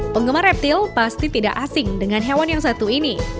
penggemar reptil pasti tidak asing dengan hewan yang satu ini